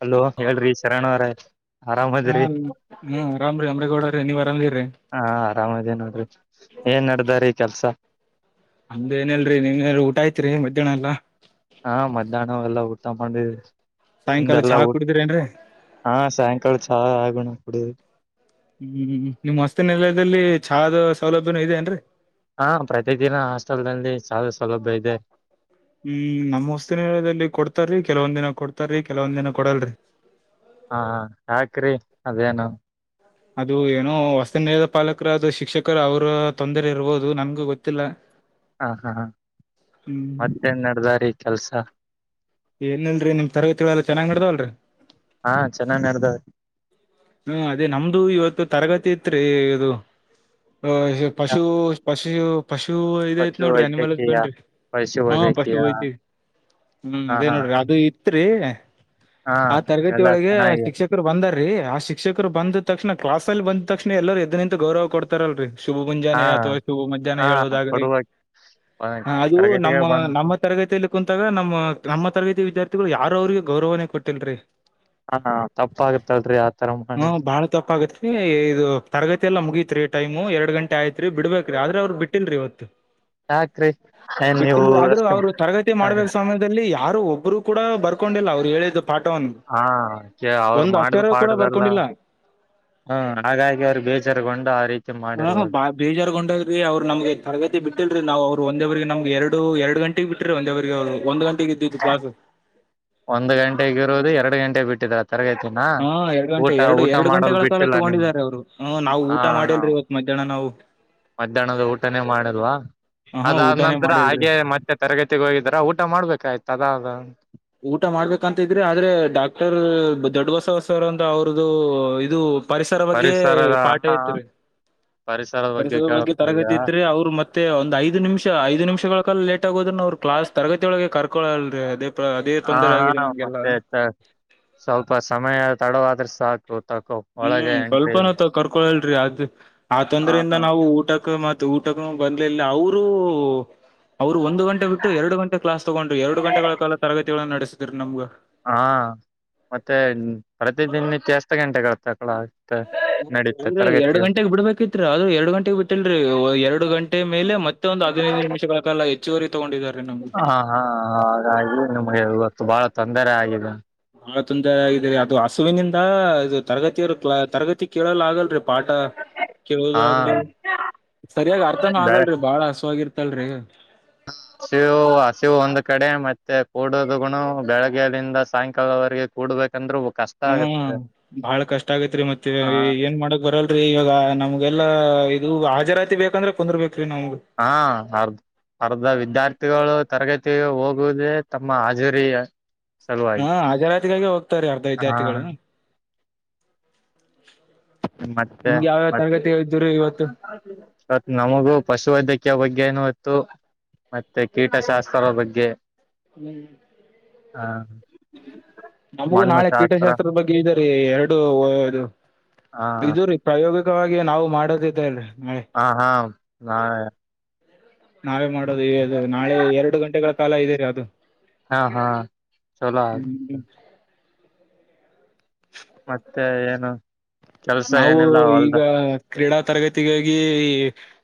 Hello ಹೇಳ್ರಿ ಶರಣವ್ರೇ. ಹ್ಮ್ ಅರಾಮ್ರಿ ಅಮ್ರೇಗೌಡರೆ ನೀವ್ ಅರಾಮದಿರಿ. ಹಾ ಅರಾಮದಿವ್ ನೋಡ್ರಿ ಏನ್ ನಡ್ದಾರಿ ಕೆಲ್ಸ. ನಂದೇನಿಲ್ರಿ ನಿವ್ ಊಟ ಅಯ್ತ್ರಿ ಮಧ್ಯಾಹ್ನ ಎಲ್ಲ. ಹಾ ಮಧ್ಯಾಹ್ನವೆಲ್ಲ ಊಟ ಮಾಡಿ ಸಾಯಂಕಾಲ ಚಹಾ ನಿಮ್ದೇಲ್ಲ ಊಟ. ಕುಡಿದ್ರೇನ್ರಿ ಹಾ ಸಾಯಂಕಾಲ ಚಾ ಆಗೆ ನಾವ್ ಕುಡಿಯದು. ಹ್ಮ್ ನಿಮ್ ಹೊಸ್ತಿಲ್ನೆಲದಲ್ಲಿ ಚಹಾದು ಸೌಲಭ್ಯನೂ ಇದೆ ಏನ್ರಿ. ಹಾ ಪ್ರತಿ ದಿನ ಹಾಸ್ಟೆಲ್ ನಲ್ಲಿ ಚಾಲ ಸೌಲಬ್ಯ ಇದೆ. ಹ್ಮ್ ನಮ್ಮ್ ಹೊಸ್ತಿನದಲ್ಲಿ ಕೊಡ್ತಾರೀ ಕೆಲವಂದಿನ ಕೊಡ್ತಾರೀ ಕೆಲವಂದಿನ ಕೊಡಲ್ರಿ. ಹಾ ಯಾಕ್ರಿ ಅದೇನು. ಅದು ಏನೋ ಹೊಸ್ತು ನಿಲದ ಪಾಲಕರದ ಶಿಕ್ಷಕರ್ ಅವ್ರು ತಂದರಿರ್ಬವ್ದು ನನ್ಗೂ ಗೊತ್ತಿಲ್ಲ. [inaudible] ಹಾ ಹಾ ಹ ಹ್ಮ್ ಮತ್ತೇನ್ ನಡ್ದಾ ರೀ ಕೆಲ್ಸ. ಏನಲ್ರಿ ನಿಮ್ ತರಗತಿಗಳೆಲ್ಲ ಚನಾಗ್ ನೆಡ್ದವಲ್ರಿ. ಹಾ ಚೆನ್ನಾಗ್ ನೆಡ್ದವ್ರಿ. ಹ್ಮ ಅದೇ ನಮ್ದು ಇವತ್ತು ತರಗತಿ ಇತ್ರಿ ಇದು ಅ ಪಶು ಪಶು. ಪಶ ಪಶು ಇದೈತ್ ಪಶು ನೋಡ್ರಿ ಅನಿಮಲ್ ವೈದ್ಯಕೀಯ ಹಸ್ಬೆಂಡ್ರಿ ಪಶು ಹಾ ಪಶು ವೈದ್ಯಕೀಯ ವೈದಿ. ಹ್ಮ್ ಹಾ ಅದೇ ಹಾ ನೋಡ್ರಿ ಅದು ಇತ್ರಿ ಹಾ ಆ ತರಗತಿ ಎಲ್ಲಾ ಒಳಗೆ ಚೆನ್ನಾಗಿ ಶಿಕ್ಷಕ್. ಕ್ರ ಬಂದಾರೀ ಆ ಶಿಕ್ಷಕ್ರು ಬಂದು ತಕ್ಷಣ ಕ್ಲಾಸಲ್ ಬಂದ್ ತಕ್ಷಣ ಎಲ್ಲರೂ ಎದ್ದು ನಿಂತು ಗೌರವ ಕೊಡ್ತಾರಲ್ರಿ. ಶುಭ ಹಾ ಮುಂಜಾನೆ ಅಥವಾ ಇದು ಮಧ್ಯಾಹ್ನ ಹಾ ಹೇಳುವುದಾಗಲಿ ಕೊಡುವ ಹ ಅದು ತರಗತಿಗೆ ನಮ್ಮ ನಮ್ಮ. ಬಂದ ತರಗತಿಯಲ್ಲಿ ಕುಂತಾಗ ನಮ್ಮ ನಮ್ಮ ತರಗತಿ ವಿದ್ಯಾರ್ಥಿಗಳು ಯಾರು ಅವ್ರಿಗೆ ಗೌರವನೇ ಕೊಟಿಲ್ರಿ. ಹಾ ತಪ್ಪಗುತ್ತಲ್ರಿ. ಹ್ಮ ಬಾಳ ತಪ್ಪಗುತ್ರಿ ಇದು ತರಗತಿ ಎಲ್ಲಾ ಮುಗೀತ್ರಿ ಟೈಮು ಎರಡ್ ಗಂಟೆ ಆಯ್ತ್. ತ್ರಿ ಬಿಡ್ಬೇಕ್ರಿ ಆದ್ರೆ ಅವ್ರು ಬಿಟ್ಟಿಲ್ರೀ ಇವತ್ತು. ಯಾಕ್ರಿ ಏನ್ ನೀವು ಬಿಟ್ಟಿಲ್ರಿ ಆದ್ರೂ ಅಷ್ಟು ಅವ್ರು ತರಗತಿ ಮಾಡ್ಬೇಕು ಸಾಮ ಯದಲ್ಲಿ ಯಾರು ಒಬ್ರು ಕೂಡ ಬರ್ಕೊಂಡಿಲ್ಲ ಅವ್ರು ಹೇಳಿದ್ದು ಪಾಠವನ್ನು. ಹಾ ಕೆ ಅವ್ರ್ ಒಂದು ಮಾಡಿದ್ ಅಕ್ಷರ ಕೂಡ ಪಾಠದಲ್. ಹಲೋ ಬರ್ಕೊಂಡಿಲ್ಲ ಹೂ ನನಗಾಗಿ ಅವ್ರು ಬೇಜಾರ್ಗೊಂಡು ಆರೀತಿ ಮಾಡಿರ್ಬೋದು. ಬೇಜಾರ್ಗೊಂಡಗರಿ ಅವರು ನಮ್ಗೆ ತರಗತಿ ಬಿಟ್ಟಿಲ್ರರಿ ನಾವು ಅವರು ಒಂದೇವರೆಗೆ ನಮ್ಗೆ ಎರಡು ಎರಡು ಗಂಟೆ. ಬಿಟ್ಟಿಗಿ ಬಿಟ್ಟ್ರೆ ಒಂದವರಿಗೆ ಒಂದು ಗಂಟೆಗೆ ಇದ್ದಿದ್ದತ ಕ್ಲಾಸ್ ಒಂದು ಗಂಟೆಗೆಗಿರೋರು ಎರಡು ಗಂಟೆ ಬಿಟ್ಟಿದರ. ತರಗತಿನಾ. ಹಾ ಎರಡು ಗಂಟೆ ಎರಡು ಎರಡು ಗಂಟೆಗಳ ಕಾಲ ನಿಮ್ ತಗೊಂಡಿದ್ದಾರೆ ಅವ್ರು ಹ ನಾವು ಹಾ ಊಟ ಮಾಡಿಲ್ರಿ ಇವತ್ತು ಮಧ್ಯಾಹ್ನ ನಾವು. ಮಧ್ಯಾಹ್ನದ ಊಟನೇ ಮಾಡಲ್ವಾ ಹ್ಞೂ ಅದಾದ ಊಟನೇ ನಂತರ ಮಾಡಿಲ್ರಿ ಹಾಗೆ ಮ ಮತ್ತೆ ತರಗತಿಗೆ ಹೋಗಿದ್ರ ಊಟ ಮಾಡ್ಬೇಕಾಯ್ತು ಅದಾದ. ಊಟ ಮಾಡ್ಬೇಕಂತಿದ್ರೆ ಆದ್ರೆ ಡಾಕ್ಟರ್ ದೊಡ್ಡ ಬಸವ ಸರ್ ಅಂತ ಅವ್ರದುು ಇದು. ಪರಿಸರ ಬಗ್ಗೆ ಪರಿಸರದ ಪಾಠ ಹಾ ಇತ್ರಿ ಪರಿಸರದ ಪರಿಸರ ಬಗ್ಗೆ ಕೇಳಕ್ ಈಗ ತರಗತಿ ಇತ್ರಿ ಅವರು ಮತ್ತ. ಮತ್ತೆ ಒಂದು ಐದು ನಿಮಿಷ ಐದು ನಿಮಿಷಗಳ ಕಾಲ ಲೇಟ್ ಆಗೋದ್ರನ್ನ ಅವ್ರು ಕ್ಲಾಸ ತಗತಿಯಳಗೆ ಕರ್ಕೊಳಲ್ರರಿ ಅ ಹಾ ಹಾ ಮತ್ತೆ ತ ಸ್ವಲ್ಪ ಸಮಯ ತಡವಾದ್ರ ಸಾಕು. ತಕೋ ಒಳಗೆ ಹ್ಮ್ ಎಂಟ್ರಿ ಇಲ್ಲ ಸ್ವಲ್ಪನ ಕರ್ಕೊಳಲ್ರರಿ ಅದ ಆ ಹ ತೊಂದರೆಯಿಂದ ಹಾ ನಾವು ಊಟಕ್ಕೆ ಮತ್ತ. ತ್ತು ಊಟಕ್ಕ ಬಂದಲಿಲ್ಲ ಅವರು. ಅವ್ರು ಒಂದು ಗಂಟೆ ಬಿಟ್ಟು ಎರಡು ಗಂಟೆ ಕ್ಲಾಸ್ ತಗೊಂಡ್ರು ಎರಡು ಗಂಟೆಗಳ ಕಾಲ ತರಗತಿಗಳನ್ನು ನಡೆಸಿದರ ನಮಗ. ಹಾ ಮತ್ತೆ ಪ್ರತಿದಿನ ನಿತ್ಯ ಗಂಟೆಗಳ ತೆಕ್ಕಳದ. [inaudible] ಅಂದ್ರೆ ಎರಡು ಗಂಟೆಗ ಬಿಡ್ಬೇಕಿತ್ರಿ ಅರ ಎರಡು ಗಂಟೆಗ್ ಬಿಟ್ಟಲ್ರರಿ ಎರಡು ಗಂಟೆ ಮೇಲೆ ಮತ್ತೆ ಒಂದು ಹದಿನೈದು ನಿಮಿಷಗಳ. ಗಳ ಹೆಚ್ಚುವರಿ ತಗೊಂಡಿದ್ದಾರೆ. ನಮ್ಗೆ ಹಾ ಹಾ ಹಾಗಗಿ ನಮ್ಗೆ ಇವತ್ತು ಬಾಳ ತೊಂದರೆ ಆಗಿದೆ. ಆ ತೊಂದರೆ ಯಾಗಿದೆ ಅದು ಹಸುವಿನಿಂದ ಇದು ತರಗತಿಯವ ತರಗತಿ ಕೇಳಲ್ ಆಗಲ್ರಿ. ಪಾಠ ಹಾ ಕೇಳೋದಾಗಲಿ ಸರಿಯಾಗಿ ಅರ್ಥನೂ ಬೆಳೆ ಆಗಲ್ರಿ ಬಹಳ ಅಸುವಗಿರ್ತ. ತ್ತಲ್ರರಿ. ಹಸಿವು ಹಸಿವು ಒಂದ್ ಕಡೆ ಮತ್ತೆ ಕೂಡೋದುಗುನು ಬೆಳಗ್ಗೆಯದಿಂದ ಸಾಯಂಕಾಲವರೆಗೆ. ಕೂಡ್ಬೇಕಂದ್ರ. ಹ್ಮ ಬಾಳ ಕಷ್ಟ ಆಗೇತ್ರಿ ಮತ್ತೆ ಹ ಏನ್ ಮಾಡಕ್ ಬರಲ್. ರಿ ಇವಾಗ ನಮ್ಗೆಲ್ಲಾ ಇದು ಹಾಜರಾತಿ ಬೇಕಂದ್ರೆ ಕುಂದರ್ ಬೇಕ್ರೀ ನಾವು. ಹಾ ಆರ್ದ. ಅರ್ಧ ವಿದ್ಯಾರ್ಥಿಗಳು ತರಗತಿ ಹೋಗುವುದೇ ತಮ್ಮ ಹಾಜರಿಯ. ಸಲುವಾಗಿ ಹಾ ಹಾಜರಾತಿಗಾಗಿ ಹೋಗ್ತಾರೆ ಅರ್ಧ ಹಾ ವಿದ್ಯಾರ್ಥಿಗಳು. ನಿಮ್ಮ್ ಮತ್ತೆ ನಿಮ್ಗೆ ಯಾವ್ಯಾವ ಮತ್ತೆ. ತರಗತಿ ಇದ್ದುರಿ ಇವತ್ತು ತ್ ನಮಗೂ ಪಶು ವೈದ್ಯಕೀಯ ಬಗ್ಗೆ ಏನೋ ಇತ್ತು. ಮತ್ತೆ ಕೀಟಶಾಸ್ತ್ರದ ಬಗ್ಗೆ. ಹುಂ. ಹಾ. ನಮಗೂ ನಾಳೆ ಕೀಟಶಾಸ್ತ್ರದ ಬಗ್ಗೆ. ಇದುರಿ ರೀ ಎರಡು ಹ ಇದರಿ. ಪ್ರಯೋಗಿಕವಾಗಿ ನಾವು ಮಾಡೋದಿದೆ ಏನ್ರಿ. ಹಾ ಹಾ ನಾಳೆ. ನಾವೇ ಮಾಡೋದುವೆ ನಾಳೆ ಎರಡು ಗಂಟೆಗಳ ಕಾಲ ಇದೇ ರಿ ಅದು. ಹಾ ಹಾ ಚಲೋ ಆಲಿ. ಹ್ಮ್ ಮತ್ತೆ ಏನು. ಕೆಲ್ಸ ನಾವು ಏನಿಲ್ಲ ಹೊಲ್ದ ಈಗ. ಕ್ರೀಡಾ ತರಗತಿಗಾಗಿ ಈ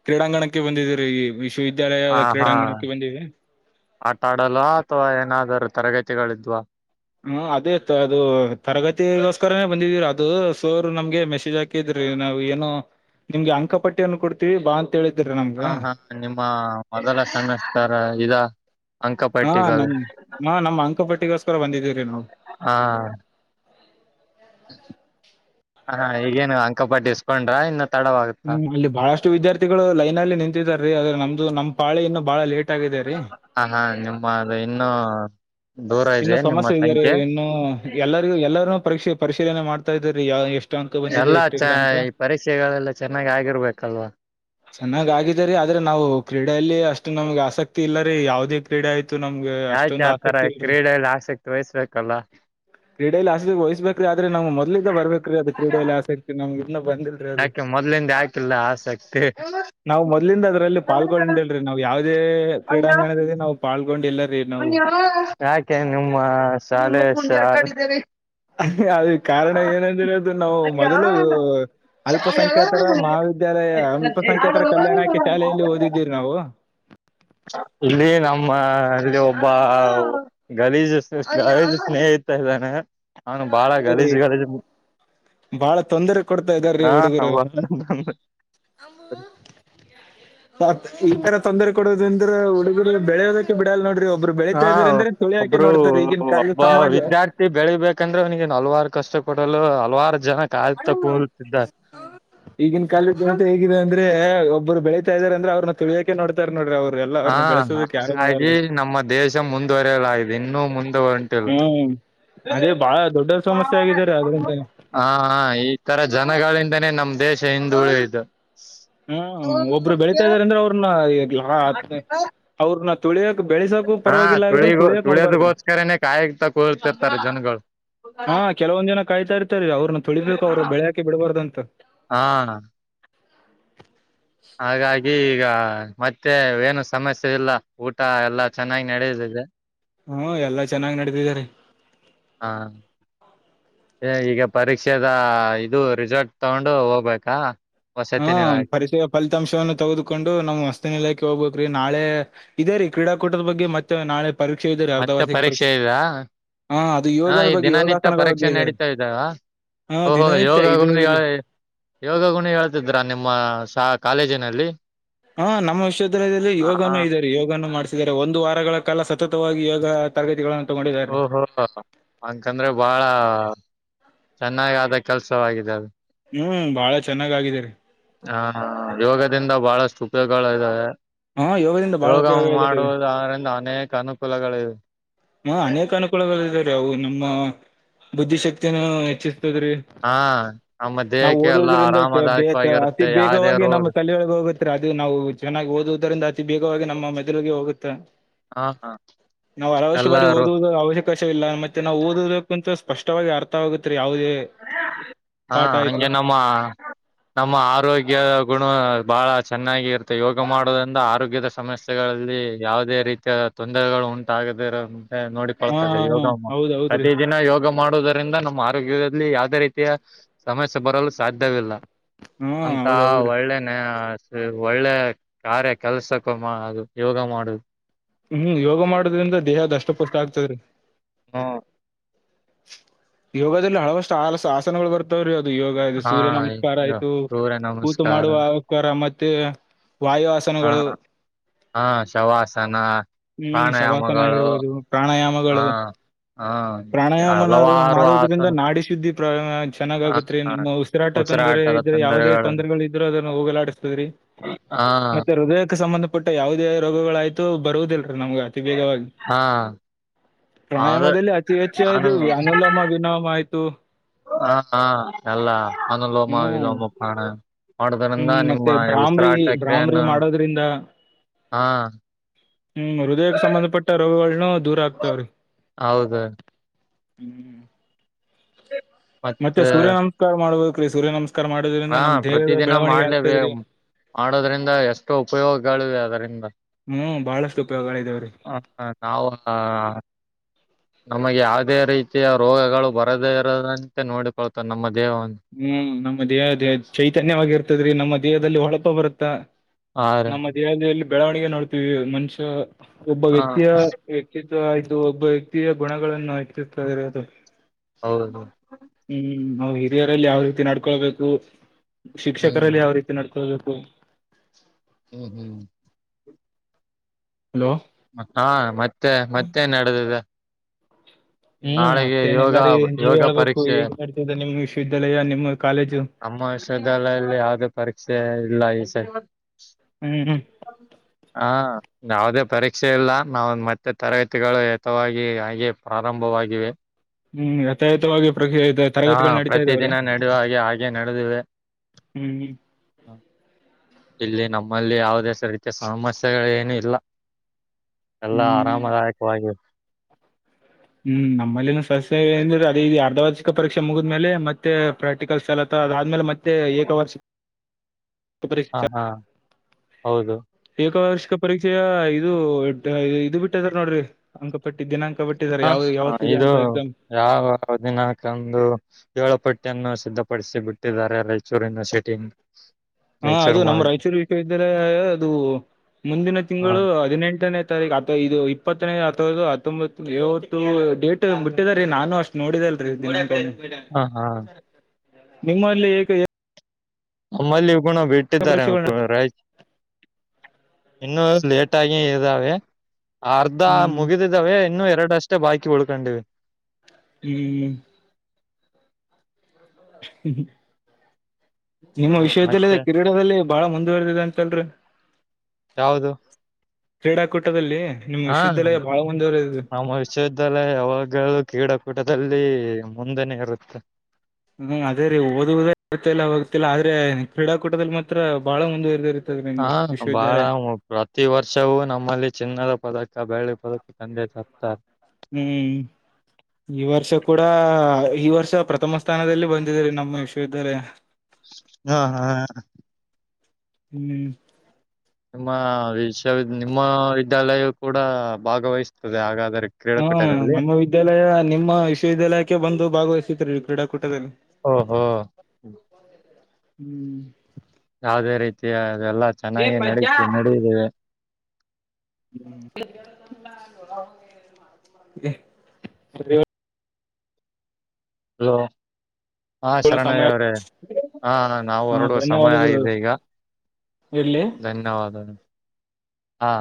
ಕ್ರೀಡಾಂಗಣಕ್ಕೆ ಬಂದಿದರು ಈ ವಿ ವಿದ್ಯಾಲಯದ ಹ ಹಾ ಕ್ರೀಡಾಂಗಣಕ್ಕೆ ಬಂದಿದೆ. ಆಟ ಆಡಲ್ಲ ಅಥವಾ ಏನಾದರೂ ತರಗತಿಗಳಿದ್ವಾ. ಹ್ಮ ಅದೇ ಇತ್ತು ಅದು ತರಗತಿಗೋಸ್ಕರನೇ ಬಂದಿದೀರ ಅದು ಸರು ನಮ್ಗೆ ಮೆಸೇಜ್ ಹಾಕಿ ಕಿದ್ರ ಈಗ ನಾವು ಏನೋ ನಿಮ್ಗೆ ಅಂಕ ಪಟ್ಟಿಯನ್ನು ಕೊಡ್ತೀವಿ ಬಾ ಅ ತೇಳಿದ್ರ ನಮ ಹಾ ಹಾ ನಿಮ್ಮ ಮೊದಲ ಸೆಮಿಸ್ಟರ ಇದಾ ಹಾ ನಮ ಹಾ ನಮ್ಮ್ ಅಂಕ ಪಟ್ಟಿಗೋಸ್ಕರ ಬಂದಿದ್ದೀವರೀ ನಾವು ಹಾ ಹಾ ಈಗೇನು ಅಂಕಪಟ್ಟಿ ಇಸ್ಕೊಂಡ್ರ ಇನ್ನು ತಡವಾಗುತ್ತ ಹ್ಮ್ ಇಲ್ಲಿ ಬಹಳಷ್ಟು ವಿದ್ಯಾರ್ಥಿಗಳು ಲೈನ್ ಅಲ್ಲಿ ನಿಂತಿದ್ದಾರ ರೀ ಆದ್ರ ನಮ್ದ ನಮ್ಮ ಪಾಳ ಇನ್ನು ಬಹಳ ಲೇಟ್ ಟಾಗಿದೆ ರಿ ಹ ಹಾ ನಿಮ್ಮದು ಇನ್ನು ಇನ್ನು ಸಮಸ್ಯೆ ಇದೆ ರೀ ಇನ್ನು ಎಲ್ಲರಿಗೂ ಎಲ್ಲರ್ನು ಪರಿಕ್ಷ ಪರಿಶೀಲನೆ ಮಾಡ್ತಾ ಇದಾರಿ ಎಷ್ಟು ಅಂಕ ಬಂದಿದೆ ಎಲ್ಲಾ ಎಷ್ಟು ಚ ಇಲ್ಲ ಅಂತ ಈ ಪರೀಕ್ಷೆಗಳೆಲ್ಲ ಚೆನ್ನಾಗಿ ಆಗಿರ್ಬೇಕಲ್ವಾ. ಚೆನ್ನಾಗ್ ಆಗಿದೆರಿ ಆದ್ರೆ ನಾವು ಕ್ರೀಡೆಯಲ್ಲಿ ಅಷ್ಟು ನಮ್ಗೆ ಆಸಕ್ತಿ ಇಲ್ಲರಿ ಯಾವದೇ ಕ್ರೀಡೆ ಆಯ್ತು ನಮ್ಗೆ ಅಷ್ಟೊಂದು ಆಸಕ್ತಿ ಇಲ್ರಿ. ಹೇ ಲಾ ಸೆಕ್ ತೋಯಿಸ್ಬೇಕಲ್ಲ ಕ್ರೀಡೆಯಲ್ಲಿ ಆಸಕ್ತಿ ವಹಿಸ್ಬೇಕ್ರಿ ಆದ್ರೆ ನಮಗ ಮೊದ್ಲಿಂದ ಬರ್ಬೇಕರಿ ಅದ ಕ್ರೀಡೆಯಲ್ಲಿ ಆಸಕ್ತಿ ನಮ್ಗ ಇನ್ನ ಬಂದಿಲ್ಲರಿ ಯಾಕೆ ಮೊದ್ಲಿಂದ ಯಾಕಿಲ್ಲ ಆಸಕ್ತಿ ನಾವ್ ಮೊದ್ಲಿಂದ ಅದ್ರಲ್ಲಿ ಪಾಲ್ಗೊಂಡಲ್ರಿ ನಾವ್ ಯಾವದೇ ಕ್ರೀಡಾಂಗಣದಲ್ಲಿ ನಾವು ಪಾಲ್ಗೊಂಡ್ ಇಲ್ಲರಿ ಯಾಕೆ ನಿಮ್ಮ ಸಾಲೆ ಸಾಲ್ ಅದು ಕಾರಣ ಏನಂದ್ರೆ ಅದು ನಾವು ಮೊದಲು ಅಲ್ಪಸಂಖ್ಯಾತರ ಮಹಾವಿ ವಿದ್ಯಾಲಯ ಅಲ್ಪಸಂಖ್ಯಾತರ ಕಲ್ಯಾಣ ಇಲಾಖೆ ಶಾಲೆಯಲ್ಲಿ ಓದಿದ್ದೀವರಿ ನಾವು. ಇಲ್ಲಿ ನಮ್ಮ ಇಲ್ಲಿ ಒಬ್ಬ ಗಲೀಜ ಗಲಿಜ ಸ್ನೇಹಿತ ಇದಾನೆ. ಅವನು ಬಾಳ ಗಲೀಜು ಗಲಿಜ ಬಾಳಾ ತೊಂದರೆ ಕೊಡ್ತಾ ಇದಾರೀ ಹಾ ಹುಡುಗರು. ಮತ್ತ ಈ ತರ ತೊಂದರೆ ಕೊಡದಿಂದ್ರ ಹುಡುಗರು ಬೆಳೆಯೋದಕ್ಕೆ ಬಿಡಲ್ಲ ನೋಡ್ರಿ ಒಬ್ಬರು ಹಾ ಬೆಳೀತಾ ಇದಾರೆ ಅಂದ್ರೆ ತುಳಿಯಾಕೆ ನೋಡ್ತಾರೆ ಈಗಿನ ಕಾಲದ ಸಮಾಜ. ವ್ಯಕ್ತಿ ಬೆಳೀಬೇಕಂದ್ರೆ ಅವನಿಗೆನ್ ಹಲ್ವಾರ ಕಷ್ಟ ಕೊಡಲು ಹಲ್ವಾರ ಜನ ಕಾಯತ್ತಾ ಕುರುತ್ತಿದ್ದಾರೆ. ಈಗಿನ ಕಾಲದ ಜನತೆ ಹೇಗಿದೆ ಅಂದ್ರೆ ಒಬ್ರು ಬೆಳತಾ ಇದ್ದಾರೆ ಅಂದ್ರೆ ಅವ್ರನ್ನ ತುಳಿಯಕ ಕ್ಕೆ ನೋಡ್ತಾರ ನೊಡ್ರಿ ಅವ್ರ ಹಾ ಎಲ್ಲಾರನು ಬೆಳಸೋದಕ್ ಯಾರ ನೋಡಲ್ ಹಾಗಾಗಿ ನಮ್ಮ ದೇಶ ಶ ಮುಂದುವರೆಯಲಾಗಿದೆ ಇನ್ನು ಮುಂದೆ ಒಂಟಿಲ್ಲ ಹ್ಮ್ ಅದೇ ಬಾಳ ದೊಡ್ಡ ಸಮಸ್ಯೆ ಆಗಿದ್ದಾರೆ ಅದ್ರಿಂದ ಹಾ ಹಾ ಈ ತರ ಜನಗಳಿಂದನೇ ನಮ್ ದೇಶ ಹಿಂದುಳದಿದು. ಹ್ಮ್ ಒಬ್ರು ಬೆಳಿತಾ ಇದಾರೆ ಅಂದ್ರೆ ಅವ್ರನ್ನ ಈಗ್ಲ [unintelligible] ಅವ್ರನ್ನ ತುಳಿಯಕ ಬೆಳೆಸಕ ಹಾ ಪರವಾಗಿಲ್ಲ ಆಗಿದ್ರು ತುಳಿಗೋ ತುಳಿಯಕ ನೋಡ್ಬಾರ್ದ್ರಿ. ತುಳಿಯೋದಗೋಸ್ಕರನೇ ಕಾಯಗ್ತಾ ಕೂತಿರ್ತಾರ ಜನಗಳು ಹಾ ಕೆಲವೊಂದ ಜನ ಕಾಯ್ತ ಇರ್ತಾರಿ ಅವ್ರನ್ನ ತುಳಿಬೇಕು ಅವರು ಬೆಳ್ಯಾಕೆ ಬಿಡಬಾರ್ದ ಅಂತ. ಹಾ ಹಾಗಾಗಿ ಈಗ ಮತ್ತೆ ಏನು ಸಮಸ್ಯೆ ಇಲ್ಲ ಊಟಾ ಎಲ್ಲಾ ಚೆನ್ನಾಗ ನಡಿತಿದೆ. ಹ್ಮ ಎಲ್ಲಾ ಚೆನ್ನಾಗ್ ನಡತಿದೇರಿ. ಹಾ ಎ ಈಗ ಪರೀಕ್ಷೆದ ಇದು ರಿಸಲ್ಟ್ ತಗೊಂಡು ಹೋಗ್ಬೇಕ. ಹ್ಮ ಪರೀಕ್ಷೆಯ ಫಲಿತಾಂಶವನ್ನು ತೆಗೆದುಕೊಂಡು ನಮ್ ವಸ್ತಿ ನಿಲಯಕ್ಕೆ ಹೋಗ್ಬೇಕರಿ ನಾಳೆ ಇದೆ ರೀ ಕ್ರೀಡಾಕೂಟದ ಬಗ್ಗೆ ಮತ್ತೆ ನಾಳೆ ಪರೀಕ್ಷೆ ಇದೆ ರೀ ಮತ್ತೆ ಅರ್ಧವಾರ್ಷಿಕ ಪರೀಕ್ಷೆ ಇದಾ ಹಾ ಅದು ಹಾ ಯೋಗದ ಈ ಬಗ್ಗೆ ದಿನನಿತ್ಯ ಯೋಗಾಸನಗಳ ಬಗ್ಗೆ ಪರೀಕ್ಷೆ ಇದ್ದಾರೆ ನಡೀತಾ ಇದ್ದಾವ ಹಾ ಓಹೋ ಯೋಗ ದಿನನಿತ್ಯ ಗುಣಗ ಐದುವರೆಗೆ ಯೋಗ ಗುಣ ಹೇಳ್ತಿದ್ರಾ ನಿಮ್ಮ ಸ ಕಾಲೇಜಿನಲ್ಲಿ. ಹ ನಮ್ಮ ವಿಶ್ವಿದ್ಯಾಲಯದಲ್ಲಿ ಹಾ ಯೋಗನು ಇದೇರಿ ಯೋಗನ ಮಾಡ್ಸಿದ್ದಾರೆ ಒಂದು ವಾರಗಳ ಕಾಲ ಸತತವಾಗಿ ಯೋಗ ತರಗತಿಗಳನ್ನು ತಗೊಂಡ ಓಹೋ ಅಂಕಂದ್ರೆ ಬಾಳಾ ಚೆನ್ನಾಗ ಆದ ಕೆಲ್ಸವಾಗಿದೆ ಅದು ಹ್ಮ್ ಬಾಳ ಚೆನ್ನಾಗ್ ಆಗಿದೆರಿ. ಹ ಹಾ ಯೋಗದಿಂದ ಬಹಳಷ್ಟು ಉಪಯೋಗಗಳ ಇದ್ದಾವೆ. ಹಾ ಯೋಗದಿಂದ ಬಹಳ ಯೋಗ ಉಪಯೋಗ ಇದೆ ರೀ ಮಾಡುವುದರಿಂದ ಅನೇಕ ಅನುಕೂಲಗಳಿವೆ. ಹ ಅನೇಕ ಅನುಕೂಲಗಳ ಇವೆರೀ ಅವು ನಮ್ಮ ಬುದ್ಧಿ ಶಕ್ತಿನ ಹೆಚ್ಚಿಸ್ತದ್ರೀ ಹಾ ನಮ್ಮ ನಾವು ದೇಹಕ್ಕೆ ಎಲ್ಲಾ ಓದುವುದರಿಂದ ಐತೆ ಬೇ ಅತಿ ಆರಾಮದಾಯಕವಾಗಿರುತ್ತೆ ಯಾವದೇ ಬೇಗವಾಗಿ ರೋಗ ನಮ್ಮ ತಲಿಯೊಳಗೆ ಹೋಗುತ್ತೆ. ಅದು ನಾವು ಚೆನ್ನಾಗ ಓದುವುದರಿಂದ ಅತಿ ಬೇಗವಾಗಿ ನಮ್ಮ ಮೆದುಳಿಗೆ ಹೋಗುತ್ತೆ. ಹಾ ಹಾ ಎಲ್ಲಾರು ಅವಶಕಾಶವ ಇಲ್ಲ ಮತ್ತೆ ನಾವು ಓದದಕ್ಕ ಕುಂತ್ರೆ ಸ್ಪಷ್ಟವಾಗಿ ಅರ್ಥವಗುತ್ತರಿ ಯಾವದೇ ಹಾ ಹಂಗೆ ನಮ್ಮ ನಮ್ಮ ಆರೋಗ್ಯ ಗುಣ ಬಹಳ ಚೆನ್ನಾಗಿ ಇರುತ್ತೆ ಯೋಗ ಮಾಡೋದ್ರಿಂದ ಆರೋಗ್ಯದ ಸಮಸ್ಯೆ ಗಳಲ್ಲಿ ಯಾವುದೇ ರೀತಿಯ ತೊಂದರೆಗಳು ಉಂಟಾಗದಿರಂತೆ ನೋಡಿ ಹಾ ಹಾ ಕೊಳ್ಳುತ್ತದೆ ಹಾ ಯೋಗ ಮ ಹೌದ್ ಹೌದ್ರಿ ಪ್ರತಿದಿನ ಯೋಗ ಮಾ ಮಾಡುವುದರಿಂದ ನಮ್ಮ ಆರೋಗ್ಯದಲ್ಲಿ ಯಾವದೇ ರೀತಿಯ ಸಮಸ್ಯೆ ಬರಲು ಸಾಧ್ಯವಿಲ್ಲ. ಹಾ ಅಂತ ಹೌದ್ ಹೌದ್ರಿ ಒಳ್ಳೆನೆ ಒಳ್ಳೆ ಕಾರ್ಯ ಕೆಲ್ಸಕ್ಕೋಮ್ಮ ಅದು ಯೋಗ ಮಾಡುದು ಹ್ಮ್ ಯೋಗ ಮಾಡುದದ್ರಿಂದ ದೇಹ ದಷ್ಟ ಪುಷ್ಟ ಆಗ್ತದ ರೀ ಹಾ ಯೋಗದಲ್ಲಿ ಹಳವಷ್ಟು ಆಲಸ ಆಸನಗಳು ಬರ್ತಾವ್ರೀ ಅದು ಯೋಗ ಇದು ಹಾ ಸೂರ್ಯ ನಮಸ್ಕಾರ ಆಯ್ತು. ಸೂರ್ಯ ಕೂತು ನಮಸ್ಕಾರ ಮಾಡುವ ಅವಕಾರ ಮತ್ತೆ ವಾಯು ಹಾ ಆಸನಗಳು ಹಾ ಶವಾಸನ ಹ್ಮ್ ಪ್ರಾಣಾಯಾಮಗಳು ಶವಾಸನಾಗಿರ್ಬೋದು ಹಾ ಪ್ರಾಣಯಾಮಗಳು. ಹಾ ಪ್ರಾಣಯಾಮ ಮಾಡ್ ಹಲವಾರು ಮಾಡುವುದ್ರಿಂದ ಆಸನ ನಾಡಿ ಶುದ್ಧಿ ಪ್ರ ಚೆನ್ನಾಗ ಹ ಆಗತ್ತ್ ರಿ ನೀಮ್ಮ್ ಉಸಿರಾಟ ತೊಂದರೆ ಉಸಿರಾಟದ ಇದ್ರೆ ಯಾವುದೇ ತೊಂದರೆಗಳು ತೊಂದರೆಗಳ ಇದ್ರು ಅದನ್ನ ಹೋಗಲಾಡಸತದ್ರಿ. [unintelligible] ಮತ್ತೆ ಹೃದಯಕ್ಕೆ ಸಂಬಂಧಪಟ್ಟ ಯಾವುದೇ ರೋಗಗಳಾಯ್ತು ಬರುವುದಿಲ್ರೀ ನಮ್ಗ ಅತಿ ವೇಗವಾಗಿ ಹಾ ಅದ ಪ್ರಾಣಾಯಾಮದಲ್ಲಿ ಅತಿ ಹೆಚ್ಚು ನಾನು ಇದು ಅನುಲ ಮ ವಿನಾಮ ಆಯ್ತು. ಹ ಹಾ ಎಲ್ಲಾ ಅನುಲೋಮ ಹ್ಮ್ ವಿಲೋಮ ಪ್ರಾಣಾಯಾಮ ಮಾಡುದ್ರಂದ ಹ್ಮ್ ಮತ್ತೆ ನಿಮ್ಮ ಭ್ರಾಮ್ರಿ ಉಸಿರಾಟ ಭ್ರಾಮ್ರಿ ಕ್ರಿಯೆಯನ್ನ ಮಾಡೋದ್ರಿಂದ ಹಾ ಹ್ಮ್ ಹೃದಯಕ್ಕ. ಸಂಬಂಧಪಟ್ಟ ರೋಗಗಳನ್ನ ದೂರಾ ಆಗ್ತವ್ರಿ. ಹೌದು ಹ್ಮ್ ಮತ್ತೆ ಸೂರ್ಯ ನಮಸ್ಕಾರ ಮಾಡ್ಬೇಕ್ರೀ ಸೂರ್ಯ ನಮಸ್ಕಾರ ಮಾಡೋದ್ರಿಂದ ಹಾ ನಮ್ ದೇಹದ ಪ್ರತಿದಿನ ಬೆಳವಣಿಗೆ ಮಾಡ್ಲೇಬೇಕು ಆಗ್ತದ್ರೀ. ಮಾಡೋದ್ರಿಂದ ಎಷ್ಟು ಉಪಯೋಗಗಳಿವೆ ಅದರಿಂದ ಹ್ಮ್ ಬಾಳಷ್ಟ ಉಪಯೋಗಗಳ ಇದಾವ್ರೀ. ಹ ಹ ನಾವ ನಮಗೆ ಯಾವುದೇ ರೀತಿಯ ರೋಗಗಳು ಬರದೇ ಇರದಂತೆ ನೋಡಿಕೊಳ್ತವೆ ನಮ್ಮ ದೇಹವನ್ನು. ಹ್ಮ್ ನಮ್ಮ ದೇಹ ದೇಹ ಚೈತನ್ಯವಾಗಿ ಇರ್ತದ್ರೀ ನಮ್ಮ ದೇಹದಲ್ಲಿ ಹೊಳಪ ಬರುತ್ತಾ ಹಾ ರೀ ನಮ್ಮ ದೇಹದಲ್ಲಿ ಬೆಳವಣಿಗೆ ನೋಡ್ತೀವಿ ಮನಷ್ಯ. ಒಬ್ಬ ವ್ಯಕ್ತಿಯ ವ್ಯಕ್ತಿತ್ವ ಆಯ್ತು ಒಬ್ಬ ವ್ಯಕ್ತಿಯ ಗುಣಗಳನ್ನು ಹೆಚ್ಚಿಸ್ತಾರೆ ಅದು. ಹೌದೌದ. ಹ್ಮ್ ನಾವ್ವು ಹಿರಿಯರಲ್ಲಿ ಯಾವ ರೀತಿ ನಡ್ಕೊಳ್ಬೇಕು ಹ್ಮ್ ಶಿಕ್ಷಕರಲ್ಲಿ ಯಾವ ರೀ ತಿ ನಡ್ಕೋಬೇಕು. ಹ್ಮ್ ಹ್ಮ್ ಹಲೋ ಹಾ ಮತ್ತೆ ಮತ್ತೆನ್ ನಡೆದಿದೆ. ಹ್ಮ್ ನಾಳೆಗೆ ಯೋಗ ಮತ್ತೇನೆಲ್ಲಾರಿ ನೀವೆ ಯೋಗ ಹೇಳ್ಬೇಕು ಪರೀಕ್ಷೆ ಹೇಗ್ ನಡೀತಿದೆ ನಿಮ್ಮ್ ವಿಶ್ವವಿದ್ಯಾಲಯ ನಿಮ್ಮ್ ಕಾಲೇಜು. ನಮ್ಮ ವಿಶ್ವವಿದ್ಯಾಲಯಲ್ಲಿ ಯಾವುದೆ ಪರೀಕ್ಷೆ ಇಲ್ಲ ಈಸರಿ. ಹ್ಮ್ ಹ್ಮ್ ಹ [unintelligible] ಹಾ ಯಾವದೇ ಪರೀಕ್ಷೆ ಇಲ್ಲ ನಾವ ಮತ್ತೆ ತರಗತಿಗಳು ಯತವಾಗಿ ಹಾಗೆ. ಪ್ರಾರಂಭವಾಗಿವೆ. ಹ್ಮ್ ಯಥಯತವಾಗಿ [unintelligible] [unintelligible] ಹಾ ಪ್ರತಿದಿನ ನಡೆಯುವ ಹಾಗೆ ಹಾಗೆ ನಡದಿವೆ. ಹ್ಮ್ ಹ್ಮ್ [inaudible] ಇಲ್ಲಿ ನಮ್ಮಲ್ಲಿ ಯಾವುದೇ [unintelligible] ಸಾಮಸ್ಯೆಗಳೇನು ಇಲ್ಲ. ಎಲ್ಲ ಹ್ಮ್ ಆರಾಮದಾಯಕವಾಗಿ. ಹ್ಮ್ ನಮ್ಮಲ್ಲಿನು ಸಸ್ಯ ಅದೇ ಅರ್ಧ ವಾರ್ಷಿಕ ಪರೀಕ್ಷೆ ಮುಗಿದ್ಮೇಲೆ ಮತ್. ತ್ತೆ ಪ್ರಾಕ್ಟಿಕಲ್ ಚಾಲು ಆತವ್ ಅದಾದ್ಮೇಲೆ ಮತ್ತೆ ಏಕ ವಾರ್ಷಿ ಹಾ ಹಾ ಹೌದು. ಏಕವಾರ್ಷಿಕ ಪರೀಕ್ಷೆಯ ಇದು ಇದು ಬಿಟ್ಟದಾರ ನೋಡ್ರಿ ಅಂಕ ಪಟ್ಟಿ ದಿನಾಂಕ. ಬಿಟ್ಟಿದ್ದಾರೆ ಯಾವ್ದ ಯಾವತ್ತಿದೆ ಅಂತ ಎಕ್ಸಾಮ್. ಯಾವ್ಯಾವ ದಿನಕಂದು. ವೇಳಪಟ್ಟಿಯನ್ನು ಸಿದ್ಧಪಡಿಸಿ ಬಿಟ್ಟಿದ್ದಾರೆ ರಾಯಚೂರಿನ್ ಸಿಟಿಯಿಂದ್. ಹಾ ಅದು ನಮ್ಮ ರಾಯಚೂರು ವಿಶ್ವವಿದ್ಯಾಲಯ ಅದು ಮುಂದಿನ ಹ ತಿಂಗಳು ಹದಿನೆಂಟನೇ ತೀ ಇದು ಇಪ್ಪತ್ತನೇಯ [unintelligible] ಹತ್ತೊಂಬತ್ತು [unintelligible] ಡೇಟ್ ಬಿಟ್ಟಿದ್ದಾರೆ ನಾನು ಅಷ್. ನೋಡಿದಲ್ರಿ ದಿನಾಂಕ ಹಾ ಹಾ ನಿಮ್ಮಲ್ಲಿ ಏಕೆ [unintelligible] ನಮ್ಮಲ್ಲಿ ಗುಣ ಏಕ ಬಿಟ್ಟಿದ್ದಾರೆ ಪರೀಕ್ಷೆಗಳು ನಡ್- [unintelligible] ರೈಚ್ ಇನ್ನು ಲೆಟಾಗೆ ಇದಾವೆ ಅರ್ಧ ಹ್ಮ್ ಮುಗಿದಿ ದಾವೇ ಇನ್ನು ಎರಡಷ್ಟೇ ಬಾಕಿ ಉಳ್ಕೊಂಡಿವೆ. ಹ್ಮ್ ಹ್ಮ [unintelligible] ನಿಮ್ಮ ಹ ಮತ್ತೆ ವಿಶ್ವವಿದ್ಯಾಲಯದ ಕ್ರೀಡೇದಲ್ಲಿ ಬಾಳ ಮುಂದುವರೆದಿದೆ ಅಂತಲ್ರಿ. ಯಾವುದು. ಕ್ರೀಡಾಕೂಟದಲ್ಲಿ ನಿಮ್ ಹಾ ವಿಶ್ವವಿದ್ಯಾಲಯ ಬಾಳ ಮುಂದುವರೆದಿದೆ. ನಮ್ಮ ವಿಶ್ವವಿದ್ಯಾಲಯ ಯಾವಾಗಲೂ ಕ್ರೀಡಾಕೂಟದಲ್ಲಿ ಮುಂದೆನೇ ಇರುತ್ತೆ. ಹ್ಮ ಅದೇರೀ ಓದುವುದೇ ಇರ್ತೆಯಿಲ್ಲ ಹೋಗ್ತಿಲ್ಲ ಆದ್ರೆ ಕ್ರೀಡಾಕೂಟದಲ್ಲಿ ಮಾತ್ರ ಬಾಳ ಮುಂದುವರೆದಿರು ಹಾ ಬಾಳ. ಪ್ರತಿ ವರ್ಷವೂ ನಮ್ಮಲ್ಲಿ ಚಿನ್ನದ ಪದಕ ಬೆಳ್ಳಿ ಪದಕ ತಂದೆ ತರ್ತಾರ. ಹ್ಮ್ ಈ ವರ್ಷ ಕೂಡ ಈ ವರ್ಷ ಪ್ರಥಮ ಸ್ಥಾನದಲ್ಲಿ ಬಂದಿದೆರಿ ನಮ್ಮ ವಿಶ್ವವಿದ್ಯಾಲಯ. ಹಾ ಹಾ ಹಾ. ಹ್ಮ್. ನಿಮ್ಮ ವಿಶ್ವ ನಿಮ್ಮ ವಿದ್ಯಾಲಯವು ಕೂಡ ಭಾಗವಹಿಸ್ತದೆ ಹಾಗಾದ್ರೆ ಹಾ ನಮ್ಮ ವಿದ್ಯಾಲಯ ನಿಮ್ಮ ವಿಶ್ವವಿದ್ಯಾಲಯಕ್ಕೆ ಬಂದು ಭಾಗವಹಿಸತ್ರಿ ಕ್ರೀಡಾಕೂಟದಲ್ಲಿ. ಓಹೋಹೋ. ಹ್ಮ್. ಯಾವುದೇ ರೀತಿಯ ಅದೆಲ್ಲಾ ಚೆನ್ನಾಗಿ ನಡೀತಿ ನಡುದಿದೆ. ಹ ಅ. [inaudible] ಹಲೋ. ಹಾ ಸಮಯ ಶರಣಯ್ಯ ಅವ್ರೇ ಹ ನಾವು ಹ ಹೊರಡುವ ಸಮಯ ಧನ್ಯವಾದಗಳು ಆಗಿದೆ ಈಗ. ಇಡ್ಲಿ. ಧನ್ಯವಾದ ಹಾ.